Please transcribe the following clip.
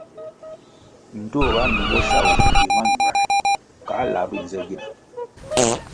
Ndtoh ga numbo sa vumbi mañuer kăh lap ri nze gina.